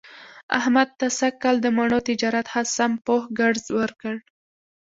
احمد ته سږ کال د مڼو تجارت ښه سم پوخ ګړز ورکړ.